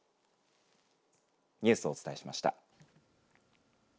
ニュースをお伝えしました。